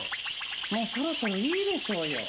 もうそろそろいいでしょうよ。